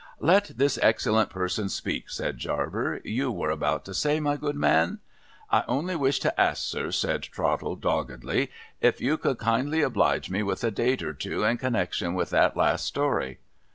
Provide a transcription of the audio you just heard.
* Let this excellent person speak,' said Jarber. ' You v.xrc about to say, my good man ?'' I only wished to ask, sir,' said Trottle doggedly, ' if you could kindly oblige me with a date or two in connection with that last story